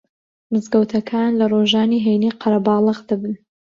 مزگەوتەکان لە ڕۆژانی هەینی قەرەباڵغ دەبن